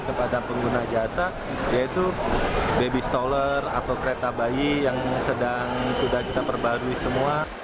kepada pengguna jasa yaitu baby stroller atau kereta bayi yang sudah kita perbarui semua